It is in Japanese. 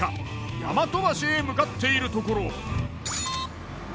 大和橋へ向かっているところ。